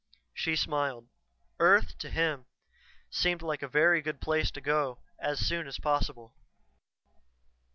She smiled. Earth, to him, seemed like a very good place to go as soon as possible.